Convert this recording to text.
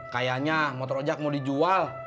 kayaknya motor rojak mau dijual